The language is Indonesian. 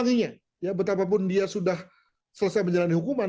artinya ya betapapun dia sudah selesai menjalani hukuman